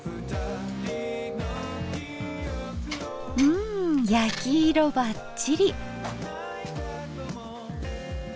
うん焼き色ばっちり。